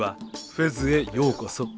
フェズへようこそ。